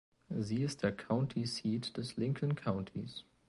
Sie ist der County Seat des Lincoln Countys.